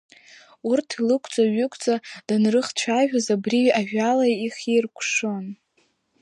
Урҭ илықәҵа-ҩықәҵа данрыхцәажәоз, абри ажәала ихиркәшон.